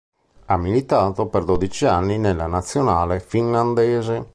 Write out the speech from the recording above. Ha militato per dodici anni nella nazionale finlandese.